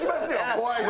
怖いの。